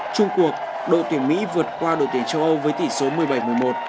trung cuộc đội tuyển mỹ vượt qua đội tuyển châu âu với tỷ số một mươi bảy một mươi một